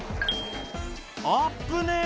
「あっぶねぇ！